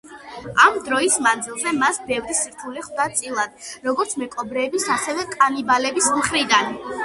ამ დროის მანძილზე მას ბევრი სირთულე ხვდა წილად, როგორც მეკობრეების, ასევე კანიბალების მხრიდან.